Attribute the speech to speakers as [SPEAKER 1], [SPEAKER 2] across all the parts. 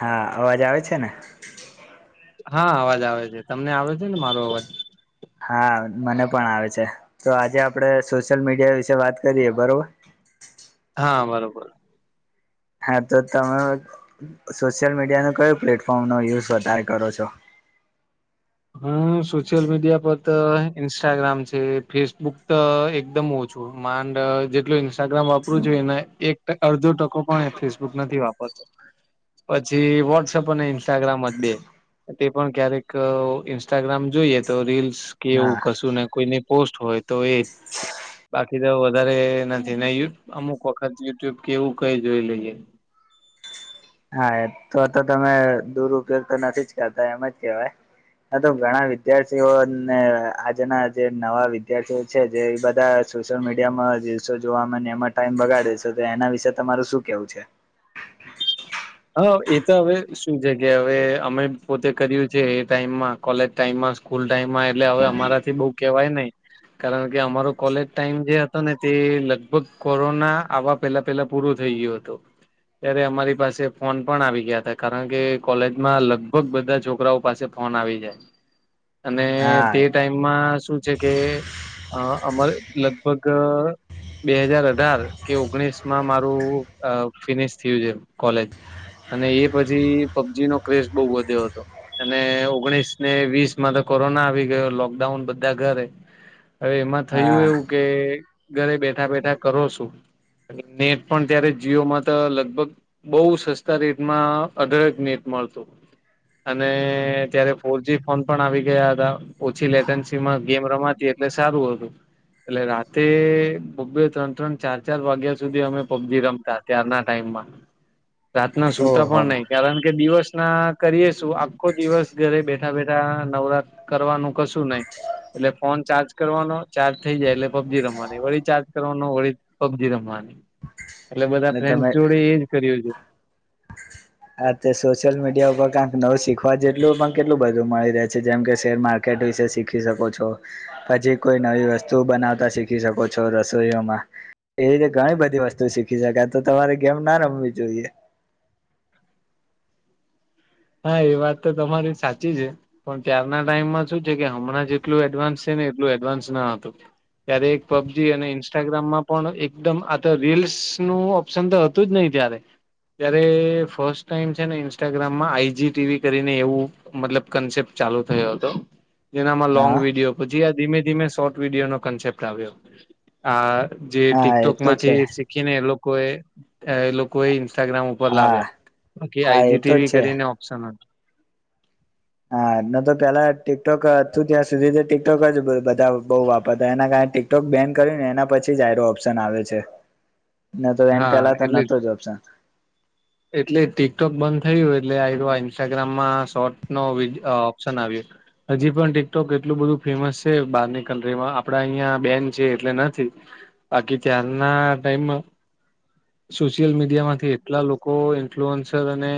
[SPEAKER 1] હા અવાજ આવે છે ને?
[SPEAKER 2] હા અવાજ આવે છે તમને આવે છે ને મારો અવાજ?
[SPEAKER 1] હા મને પણ આવે છે તો આજે આપડે સોશિયલ મીડિયા વિશે વાત કરીએ બરોબર
[SPEAKER 2] હા બરોબર.
[SPEAKER 1] હા તો તમે સોશિયલ મીડિયાનું કયું પ્લેટફોર્મનો યુઝ વધારે કરો છો?
[SPEAKER 2] હુ સોશિયલ મીડિયા પર તો ઇન્સ્ટાગ્રામ છે ફેસબુક તો એકદમ ઓ છું માંડ અહ જેટલું ઈન્સ્ ટાગ્રામ વાપરું જોઈએ એને એક અડધો ટકો પણ ફેસબુક નથી વાપરતો. પછી વોટ્સઅપ અને ઇન્સ્ટાગ્રામ જ બે તે પણ ક્યારે કે અહ ઇન્સ્ટાગ્રામ જોઈએ તો રીલ્સ કે
[SPEAKER 1] હા
[SPEAKER 2] કોઈની પોસ્ટ હોય તો એ બાકી તો વધારે એના તેને યુ અમુક વખત યુટ્યુબ કે એવું કઈ જોઈ લઈએ.
[SPEAKER 1] હા એ તો તો તમે દુરુપયોગ તો નથીજ કરતા એમજ કહેવાય. આતો ઘણા વિદ્યાર્થીઓને આજના જે નવા વિદ્યાર્થીઓ હા, એમાં ટાઈમ બગાડવો યોગ્ય નથી. સોશિયલ મીડિયા મર્યાદામાં વાપરવું સારુંપહેલા અભ્યાસ છે જે બધા સોશિયલ મીડિયા માં જે રીલસો જોવામાં ને એમ ટાઈમ બગાડે છે તો એના વિષય તમારે શું કહેવું છે?
[SPEAKER 2] હા, એ તો હવે શું છે કે હવે અમે પોતે કર્યું છે એ ટાઈમ માં કોલેજ ટાઈમ માં સ્કૂલ ટાઈમ માં એટલે હવે અમારા થી બહુ કેહવાય નહીં. કારણકે અમારો કોલેજ ટાઈમ જે હતો ને તે લગભગ કોરોના આવા પેહલા પેહલા પૂરું થઈ ગયું હતું. ત્યારે અમારી પાસે ફોન પણ આવી ગયા હતા, કારણ કે કોલેજમાં લગભગ બધા છોકરાઓ ફોન આવી જાએ. અને
[SPEAKER 1] હા
[SPEAKER 2] તે ટાઈમ માં શું છે કે હા, અમારે લગભગ અહ બે હજાર અઢાર કે ઓગણીસ માં મારું અહ ફિનિશ થયું છે કોલેજ. એ પછી પબજી ના ક્રેઝ બહુ વધીયો હતો. અને ઓગણીસ ને વીસ માં તો કોરોના આવી ગયો લોકડાઉન બધા ઘરે. હવે એમાં થયું
[SPEAKER 1] હા
[SPEAKER 2] એવું કે ઘરે બેઠા-બેઠા કરો શું? નેટ પણ ત્યારે જીઓમાં તો લગભગ બઉુજ તો સસ્તા રેટમાં અદરક નેટ મળતો. અને ત્યારે ફોરજી ફોન પણ આવી ગયા હતા ઓછી લેટન્સીમાં ગેમ રમાતી હ એટલે સારું હતું. એટલે રાતે બબ્બે ત્રણ ત્રણ ચાર ચાર વાગ્યા સુધી અમે પબજી રમતા. ત્યારના ટાઈમમાં રાતના સુતા
[SPEAKER 1] ઓહો
[SPEAKER 2] પણ નહી. કારણ કે દિવસ ના કરીએ શું તો આખો દિવસ ઘરે બેઠા-બેઠા નવરા કરવાનું કશું નહી. એટલે ફોન ચાર્જ કરવાનો ચાર્જ થઈ જાય એટલે પબજી રમવાની વળી ચાર્જ કરવાનો વળી પબજી રમવાની એટલે બધા ફ્રેન્ડસ જોડે એજ કર્યું છે.
[SPEAKER 1] હા, તે સોશિયલ મીડિયા તો કાક નવું શીખવા જેટલું પણ કેટલું બધું મળી રહે છે જેમ કે શેર માર્કેટ વિશે શીખી શકો છો પછી કોઈ નવી વસ્તુઓ બનાવતા શીખી શકો છો રસોઈયો માં. એવી રીતે ઘણી બધી વસ્તુ શીખી સખાતું. તમારે ગેમ ના રમવી જોઈએ.
[SPEAKER 2] હા, એ વાત તો તમારી સાચી છે. પણ ત્યાર ના ટાઈમ માં શું છે કે હમણાં જેટલું એડવાન્સ છે ને એટલું એડવાન્સ ના હતું. ત્યારે એક પબજી અને ઇન્સ્ટાગ્રામમાં પણ એકદમ આ તો રીલ્સ નું ઇન્સ્ટાગ્રામ તો હતું ને ઇજ ત્યારે. ત્યારે ફર્સ્ટ ટાઈમ છે ને ઈન્સ્ટાગ્રામ માં આઈ જી ટી વી કરીને એવું મતલબ કન્સેપ્ટ ચાલુ થયો હતો જેનામાં લોંગ
[SPEAKER 1] હા
[SPEAKER 2] વિડીયો પછી આ ધીમે ધીમે શોર્ટ વીડિયોનો કન્સેપ્ટ આવ્યો. આ જે
[SPEAKER 1] હા એ
[SPEAKER 2] ટીકટોક
[SPEAKER 1] તો છે
[SPEAKER 2] માંથી શીખી ને એ લોકોએ એ લોકો એ ઇન્સ્ટાગ્રામ ઉપ પર
[SPEAKER 1] હા
[SPEAKER 2] લાવ્યા કે
[SPEAKER 1] હા
[SPEAKER 2] આઈ
[SPEAKER 1] એ
[SPEAKER 2] જી
[SPEAKER 1] તો
[SPEAKER 2] ટી વી
[SPEAKER 1] છે
[SPEAKER 2] કરીને ઓપ્શન હ
[SPEAKER 1] હા, ન તો પેલા ટીકટોક હતું ત્યાં સુધી તો ટીકટોક જ બધા બઉુ વાપરતા એના કારણે ટિક સ્ટોક બેન કર્યું ને એના પછી જાએરો ઓપ્શન આવે છે. ન તો એન પેલા
[SPEAKER 2] હા,
[SPEAKER 1] તો
[SPEAKER 2] એટલે
[SPEAKER 1] નતો જ ઓપ્શન
[SPEAKER 2] એટલે ટીકટોક બંધ થયું એટલે આ ઇન્સ્ટાગ્રામમાં શોર્ટ નો ઓપ્શન આવ્યો. હજી પણ ટીકટોક એટલું બધું ફેમસ છે બહારની કન્ટ્રીમાં આપડા અહિયાં બેન છે એટલે નથી. બાકી ત્યારના ટાઈમમાં સોશિયલ મીડિયામાંથી એટલા લોકો ઇન્ફલુઅન્સર અને.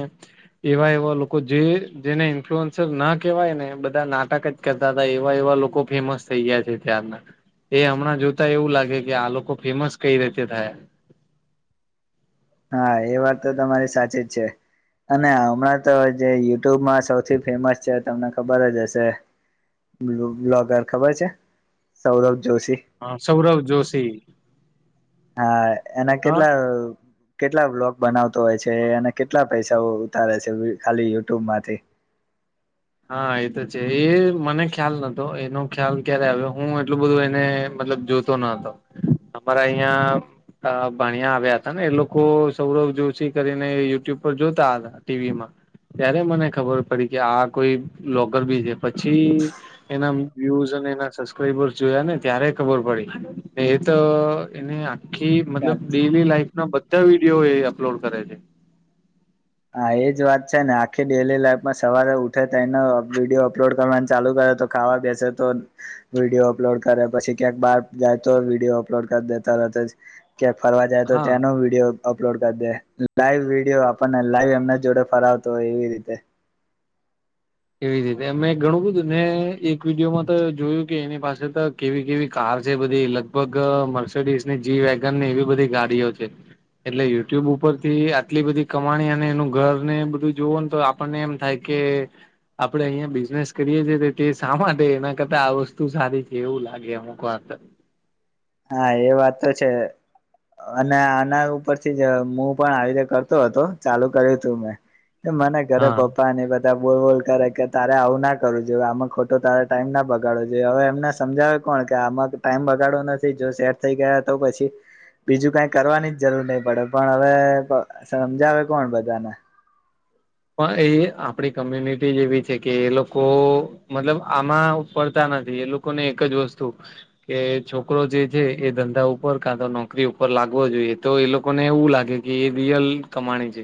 [SPEAKER 2] એવા એવા લોકો જે જેને ઇન્ફ્લુઅન્સર ના કેહેવાય ને બધા નાટક જ. કહેતા હતા એવા એવા લોકો ફેમસ થઈ ગયા છે ત્યારના એ હમણાં જોતા એવું લાગે કે આ લોકો ફેમસ કઈ રીતે થયા
[SPEAKER 1] હા એ વાત તો તમારી સાચી જ છે અને હમણાં તો જે યુટ્યુબમાં સૌથી ફેમસ છે તમને ખબર જ હશે બ્લોગર ખબર છે સૌરભ જોશી
[SPEAKER 2] હ સૌરભ જોશી
[SPEAKER 1] હા એના
[SPEAKER 2] હા
[SPEAKER 1] કેટલા કેટલા બ્લોગ બનાવતો હોય છે અને કેટલા પૈસાઓ ઉતારે છે ખાલી યુટ્યુબ માંથી
[SPEAKER 2] હા એ તો છે એ મને ખ્યાલ નતો એનો ખ્યાલ ક્યારે આવ્યો હું એટલું બધું એને મતલબ જોતો ન હતો અમારા અહિયાં અ ભણિયા આવ્યા હતા ને એ લોકો સૌરભ જોશી કરીને યુટ્યુબ પર જોતા હતા ટીવીમાં ત્યારે મને ખબર પડી કે આ કોઈ બ્લોગર બી છે પછી એના વ્યુસ અને એના સબસ્ક્રાઈબર્સ જોયા ને ત્યારે ખબર પડી એ તો એને કે મતલબ ડેલી લાઈફ ના બધા વિડીયો એ અપલોડ કરે છે
[SPEAKER 1] હા એજ વાત છે ને આખી ડેલી લાઈફમાં સવારે ઉઠે તેને વિડીયો અપલોડ કરવાનું ચાલુ કરે તો ખાવા બેસે તો વિડીયો અપલોડ કરે પછી ક્યાંક બહાર જાય તો વિડીયો અપલોડ કરી દેતા રહે ક્યા ફરવા જાય તો
[SPEAKER 2] હા
[SPEAKER 1] ત્યાંનો વિડીયો અપલોડ કરી દે લાઈવ વિડીયો આપણને લાઈવ એમના જોડે ફરાવતો હોય એવી રીતે
[SPEAKER 2] એવી રીતે મેમે ઘણું બધું ને એક વિડીયોમાં તો જોયું કે એની પાસે તો કેવી કેવી કાર છે બધી લગભગ મર્સડીઝ ને જી વેગન ને એવી બધી ગાડીઓ છે એટલે યુટ્યુબ ઉપર થી આટલી બધી કમાણી અને એનું ઘર ને બધું જોવ ને તો આપણને એમ થાય કે આપડણે અહિયાં બિઝનેસ કરીએ છીએ તો તે શા માટે એના કરતા આ વસ્તુ સારી છે એવું લાગે અમુક વા
[SPEAKER 1] હા એ વાત તો છે અને આના ઉપરથી જ હું પણ આવી રીતે કરતો હતો ચાલુ કર્યું હતું મેં તો મને ઘરે
[SPEAKER 2] હા.
[SPEAKER 1] પપ્પા ને એ બધા બોલ બોલ કરે કે તારે આવું ના કરું જોઈ આમાં ખોટો તારેા ટાઈમ ના બગાડો જોઈએ હવે એમને સમજાવે કોણ કે આમાં ટાઈમ બગાડો નથી જો સેટ થઈ ગયા તો પછી બીજું કઈ કરવાની જ જરૂર નહી પડે પણ હવે સમજાવે કોણ બધાને
[SPEAKER 2] પણ એ આપણી કોમ્યુનિટી જેવી છે કે એ લોકો મતલબ આમાં પડતા નથી એ લોકો એ લોકોને એક જ વસ્તુ કે છોકરો જે છે એ ધંધા ઉપર કા તો નોકરી ઉપર લાગવો જોઈએ તો એ લોકોને એવું લાગે કે એ રિયલ કમાણી છે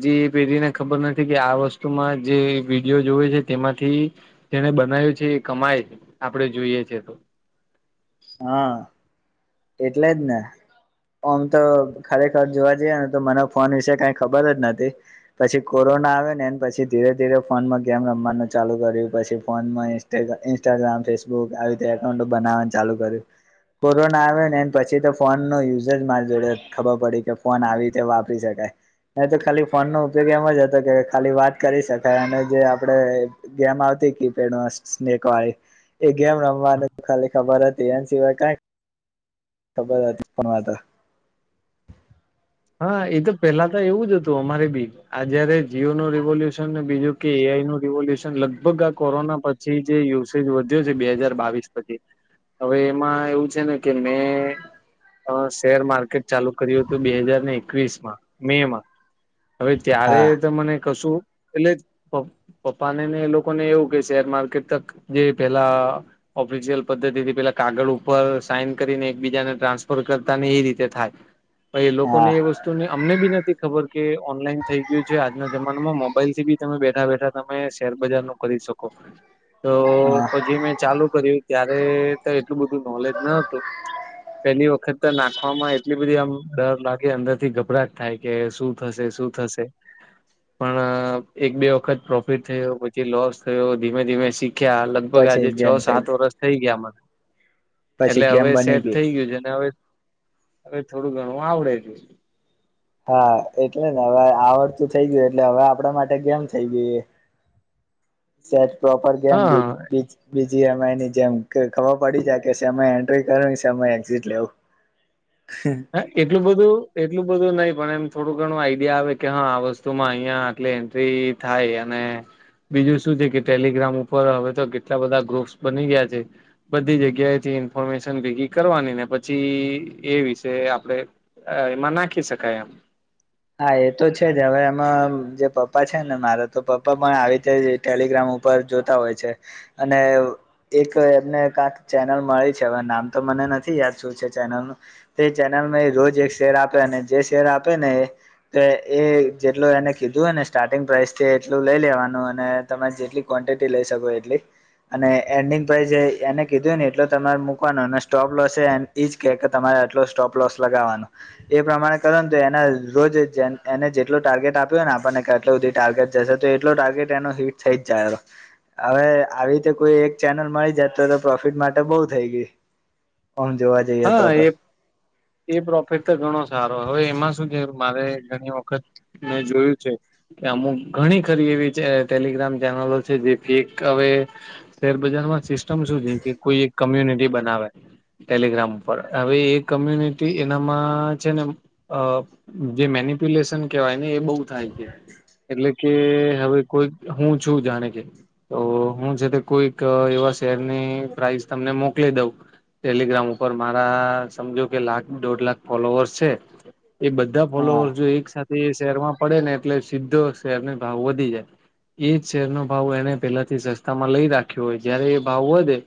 [SPEAKER 2] હજી પહેરીને ખબર નથી કે આ વસ્તુમાં જે વિડીયો જોવે છે તેમાંથી જેને બનાવ્યું છે એ કમાય છે આપડે જોઈએ છે તો
[SPEAKER 1] હા એટલે જ ને આમ તો ખરેખર જોવા જઈએ ને તો મને ફોન વિશે કઈ ખબર જ નથી પછી કોરોના આવે ને એ પછી ધીરે ધીરે ફોનમાં ગેમ રમવાનું ચાલુ કર્યું પછી ફોનમાં [unintelligible] ઇન્સ્ટાગ્રામ ફેસબુક આવી રીતે એકાઉન્ટો બનાવવા ચાલુ કર્યુ [unintelligible] આવેને પછી તો ફોન નો યુઝ જ મારી જોડે ખબર પડી કે ફોન આવી રીતે વાપરી શકાય એ તો ખાલી ફોનનો ઉપયોગ એમ જ હતો કે ખાલી વાત કરી શકાય અને જે આપડે ગેમ આવતી કી પેડમાં સ્નેક વાય એ ગેમ રમવાની જ ખાલી ખબર હતી એન સિવાય કાંઈ ખબર [unintelligible]
[SPEAKER 2] હા એ તો પેલા તો એવું જ અતું અમારે બી આ જયારે જીઓ નું રિવોલ્યુશન ને બીજું કે એ આઈ નું રિવોલ્યુશન લગભગ આ કોરોના પ જે જે યુસેજ વધ્યો છે બે હાજાર બાવીસ પછી હવે એમાં એવું છે ને કે મેં અ શેર માર્કેટ ચાલુ કર્યું હતું બે હજાર ને એકવીસ માં મે માં હવે ત્યારે
[SPEAKER 1] હા
[SPEAKER 2] મને કશું એટલે પપ્પા ને ને એ લોકો ને એવું કે શેર માર્કેટ તક જે પેલા ઓફિશિયલ પદ્ધતિથી પેલા કાગળ ઉપર સાઈન કરી ને એકબીજાને ટ્રાન્સફર કરતા ને એ રીતે થાય. પછ
[SPEAKER 1] હા
[SPEAKER 2] લોકોની એ વસ્ તો અમને પણ નથી ખબર કે ઓનલાઈન થઈ ગયું છે આજના જમાનામાં મોબાઈલ થી પણ તમે બેઠા બેઠા તમે શેરબજાર નું કરી શકો તો
[SPEAKER 1] હા
[SPEAKER 2] પછી મેં ચાલુ કર્યું. ત્યારે તો એટલું બધું નોલેજ ન હતું. પેલી વખત તો નાખવામાં એટલી બધી આમ ડર લાગ કે અંદર થી ગભરાટ થાય કે શું થશે શું થશે. પણ એક બે વખત પ્રોફિટ થયો, પછી લોસ થયો ધીમે ધીમે શીખ્યા અલગ લગભગ
[SPEAKER 1] પછી
[SPEAKER 2] આજે
[SPEAKER 1] ગેમ
[SPEAKER 2] છ
[SPEAKER 1] થઈ
[SPEAKER 2] સાત વર્ષ થઈ ગયા મને.
[SPEAKER 1] પછી
[SPEAKER 2] એટલે
[SPEAKER 1] ગેમ
[SPEAKER 2] હવે
[SPEAKER 1] બની
[SPEAKER 2] સેટ
[SPEAKER 1] ગઈ
[SPEAKER 2] થઈ ગયું છે. ને હવે હવે થોડું ઘણું આવડે છે.
[SPEAKER 1] હા એટલે ને હવે આવડતું થઈ ગયું એટલે હવે આપણા માટે કેમ થઈ ગઈ. સેટ પ્રોપર કેમ
[SPEAKER 2] હા
[SPEAKER 1] બીજ બીજ બી. જી. એમ. આઈ. ની જેમ ખબર પડી જાય કે સમય એન્ટ્રી કર એક્ઝિટ લેવું. હે.
[SPEAKER 2] હા એટલું બધું એટલું બધું નહી પણ એમ થોડું ઘણું આઈડિયા આવે કે હા આ વસ્તુમાં અહિયાં આટલી એન્ટ્રી થાય અને, બીજું શું થી કે ટેલિગ્રામ ઉપર હવે તો કેટલા બધા ગ્રુપ્સ બની ગયા છે. બધી જગ્યાએ થી ઇન્ફોર્મેશન ભેગી કરવાની ને પછી એ વિશે જે આપણેે એમાં નાખી શકાય એમ.
[SPEAKER 1] હા એ તો છે જ હવે એમાં જે પપ્પા છે ને મારા તો પપ્પા પણ આવી રીતે ટેલિગ્રામ ઉપર જોતા હોય છે અને એક એમને કાંક ચેનલ મળી છે હવે નામ તો મને નથી યાદ શું છે ચેનલનું તે ચેનલમાં એ રોજ એક શેર આપે અને જે શેર આપે ને એ એ જેટલું એને કીધુંને સ્ટાર્ટિંગ પ્રાઇસથી એટલું લઈ લેવાનું અને તમે જેટલી ક્વોન્ટિટી લઈ શકો એટલી અને એન્ડિંગ પ્રઇસ એને કીધું ને એટલે તમારે મૂકવાનો અને સ્ટોપ લોસે એજ કે કે તમારે આટલો સ્ટોપ લોસ લગાવવાનો એ પ્રમાણે કરો ને તો એના રોજ એને જેટલો ટાર્ગેટ આપ્યો ને આપણને કેટલી સુધી ટાર્ગેટ જશે તો એટલો ટાર્ગેટ એનો હિટ થઈ જ જાય હવે આવી રીતે કોઈ એક ચેનલ મળી જત તો તો પ્રોફિટ માટે બઉ થઈ ગઈ. હમ. અવાજ.
[SPEAKER 2] હા. એ એ પ્રોફિટ તો ઘણો સારો હવે એમાં શું છે મારે ઘણી વખત મેં જોયું છે. અમુક ઘણી ખરી એવી ટેલિગ્રામ ચેનલો છે જેથી એક હવે શેરબજારમાં સિસ્ટમ શું છે કે કોઈ એક કોમ્યુનિટી બનાવે, ટેલિગ્રામ ઉપર હવે એ કમ્યુનિટી એનામાં છે ને અ જે મેનિપ્યુલેશન કેવાય ને એ બહુ થાય છે એટલે કે હવે કોઈ હું છું જાણે કે તો હું છે તે કોઈક એવા શેરની પ્રાઈસ તમને મોકલી દઉં ટેલીગ્રામ ઉપર મારા સમજો કે લાખ દોઢ લાખ ફોલોવર્સ છે એ બધા
[SPEAKER 1] હા
[SPEAKER 2] ફોલોવર જો એક સાથે શેરમાં પડે ને એટલે સીધો શેર નો ભાવ વધી જાય એ જ શેરનો ભાવ એને પેલાથી સસ્તામાં લઈ રાખ્યો હોય જયારે એ ભાવ વધે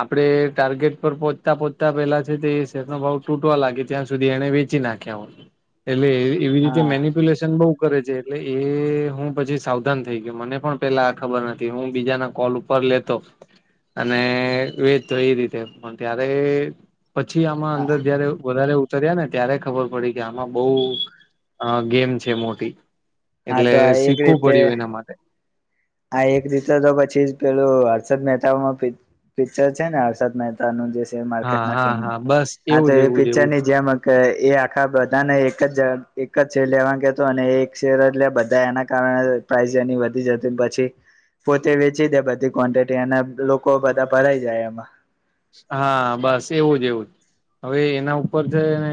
[SPEAKER 2] આપડે ટાર્ગેટ પર પહોંચતા પહોંચતા તા પેલા છે તે શેરનો ભાવ તૂટવા લાગે ત્યાં સુધી એને વેચી નાખ્યા હોય. એટલે એવી રીતે
[SPEAKER 1] હા
[SPEAKER 2] મેનપ્યુલેશન બહઉ કરે છે એટલે એ હું પછી સાવધાન થઈ ગયો મને પણ પેલા આ ખબર નથી હું બીજાના કોલ ઉ પર લેતો અને વેચતો એ રીતે પણ ત્યારે પછી આમાં અંદર જયારે વધારે ઉ તર્યા ને ત્યારે ખબર પડી કે આમાં બઉ અ ગેમ છે મોટી
[SPEAKER 1] હા
[SPEAKER 2] એટલે
[SPEAKER 1] તો આ એક
[SPEAKER 2] શીખવું
[SPEAKER 1] રીતે
[SPEAKER 2] પડ્યું એના માટ
[SPEAKER 1] આ એક રીતે તો પછી જ પેલું હર્ષદ મહેતાનું પિકચ પિક્ચર છે ને હર્ષદ મહે તા
[SPEAKER 2] હા હા હા બસ
[SPEAKER 1] [unintelligible] હા
[SPEAKER 2] એવું
[SPEAKER 1] તો
[SPEAKER 2] જ
[SPEAKER 1] એ
[SPEAKER 2] એવું જ એવું
[SPEAKER 1] પિક્ચરની જેમ જ કે એ આખા બધાને એક જ એક જ શેર લેવાનુ કેતો અને એ એક શેર એટલે બધા એના કારણે પ્રાઇઝ એની વધી જ પછી પોતે વેચી દે બધી ક્વોન્ટિટી અને લોકો બધા ભરાઈ જાય એમાં
[SPEAKER 2] હા બસ એવું જ એવું જ હવે એના ઉપર ત ને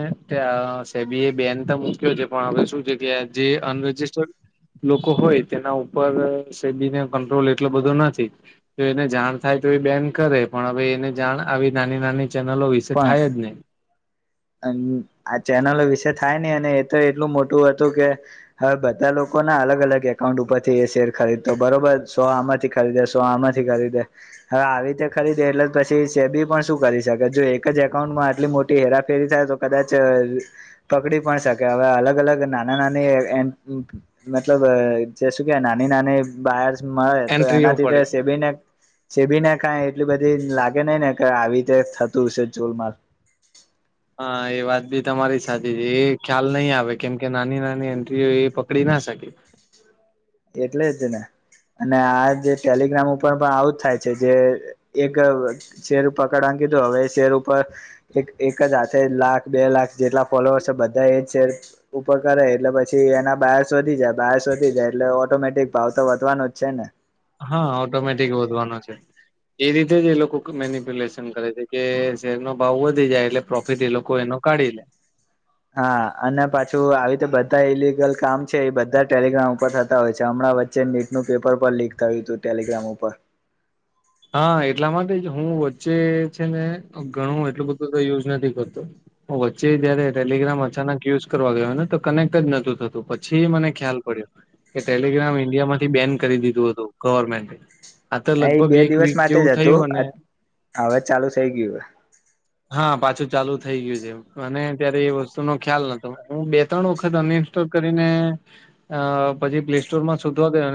[SPEAKER 2] સેબી એ બેન તો મૂક્યો છે પણ હવે શું છે કે જે અનરજિસ્ટર્ડ લોકો હોય તેના ઉપર સેબીને કંટ્રોલ એટલો બધો નથી તો એને જાણ થાય તો એ બેન કરે પણ હવે એને જાણ આવી નાની નાની ચેનલો વિશે થાય જ નઈ
[SPEAKER 1] અ આ ચેનલો વિશે થાય નઈ અને એ તો એટલું મોટું હતું કે હવે બધા લોકોના અલગ અલગ એકાઉન્ટ ઉપરથી એ શેર ખરીદતો બરોબર સો આમ જ થી ખરીદે સો આમાંથી ખરીદે હવે આવી રીતે ખરીદે એટલે જ પછી સેબી પણ શું કરી શકે જો એક જ એકઉન્ટમાં આટલી મોટી હેરાફ ફેરી થાય તો કદાચ પકડી પણ શકે હવે અલગ અલગ નાના નાની એમ મતલબ જે શું કે નાની નાની બાયર્સ મારે તો
[SPEAKER 2] એન્ટ્રીઓ
[SPEAKER 1] એનાથી તો
[SPEAKER 2] પડે
[SPEAKER 1] એ સેબીને સેબીને કાંઈ એટલી બધી લાગે નઈ ને કે આવી રીતે થતું હશે જોલમાલ
[SPEAKER 2] હા એ વાત બી તમારી સાચી છે એ ખ્યાલ નહી આવે કેમ કે નાની નાની એન્ટ્રીઓ એ પકડી ના શકે
[SPEAKER 1] એટલે જ ને અને આ જે ટેલિગ્રામ ઉપર પણ આવું જ થાય છે જે એક શેર પકડવાનું કીધું હવે એ શેર ઉપર એક એક જ હાથે લાખ બે લાખ જેટલા ફોલોઅર્સ છે બધા એજ શેર ઉપર કરે એટલે પછી એના બાયર્સ વધી જાય બાયર્સ વધી જાય એટલે ઓટોમેટિક ભાવ તો વધવાનો જ છે ને
[SPEAKER 2] હાં ઓટોમેટિક વધવાનો છે. એ રીતે જ એ લોકો મેનપ્યુલેશન કરે છે કે શેરનો ભાવ વધી જાય એટલે પ્રોફિટ એ લોકો એનો કાઢી લે
[SPEAKER 1] હા અને પાછું આવી રીતે બધા ઈલિગલ કામ છે એ બધા ટેલિગ્રામ ઉપર થતા હોય છે હમણાં વ ચ્ચે નીટનું પેપર પર લીક થયું તુ ટેલિગ્રામ ઉપર
[SPEAKER 2] હા એટલા માટે જ હું વચ્ચે છેને ઘણું એટલું બધું તો યુઝ નથી કરતો હું વચ્ચે જયારે ટેલિગ્રામ અચાનક યુઝ કરવા ગયો હોય ને તો કનેક્ટ જ નતું થતું પછી મને ખ્યાલ પડ્યો કે ટેલિગ્રામ ઇન્ડિયા માંથી બેન કરી દીધું હતું ગવર્મેન્ટે આ તો
[SPEAKER 1] એ બે
[SPEAKER 2] લગભગ એક
[SPEAKER 1] દિવસ
[SPEAKER 2] વીક
[SPEAKER 1] માટે
[SPEAKER 2] જેવું
[SPEAKER 1] જ હતું
[SPEAKER 2] થયું અને
[SPEAKER 1] અ હવે ચાલુ થઈ ગયું હે
[SPEAKER 2] હા પાછું ચાલુ થઇ ગયું છે એ અને ત્યારે એ વસ્તુ નો ખ્યાલ નતો હું બે ત્રણ વખત અનઇન્સ્ટોલ કરીને અ પછી પ્લે સ્ટોર માં શોધવા ગયો ને